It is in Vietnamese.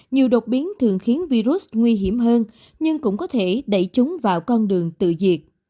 nhiều đột biến thường khiến virus nguy hiểm hơn nhưng cũng có thể đẩy chúng vào con đường tự diệt